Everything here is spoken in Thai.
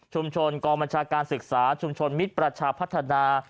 กองบัญชาการศึกษาชุมชนมิตรประชาพัฒนา